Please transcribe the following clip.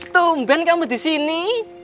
tumben kamu disini